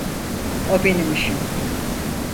O benim işim.